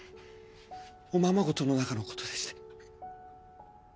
おままごとの中の事でして。